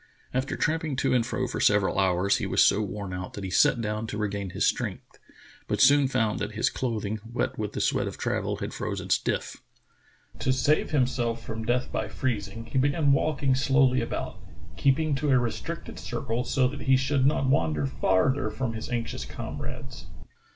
After tramping to and fro for several hours, he was so worn out that he sat down to regain his strength, but he soon found that his cloth ing, wet with the sweat of travel, had frozen stiff. To save himself from death by freezing, he began walking slowly about, keeping to a restricted circle so that he should not wander farther from his anxious comrades.